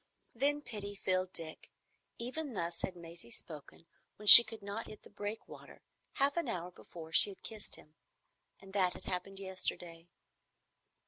Then pity filled Dick. Even thus had Maisie spoken when she could not hit the breakwater, half an hour before she had kissed him. And that had happened yesterday.